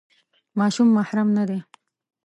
ماشوم محرم نه دی.